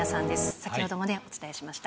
先ほどもね、お伝えしました。